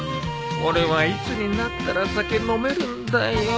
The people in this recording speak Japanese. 俺はいつになったら酒飲めるんだよ